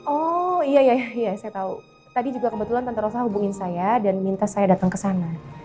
oh iya iya saya tahu tadi juga kebetulan tante rosa hubungin saya dan minta saya datang ke sana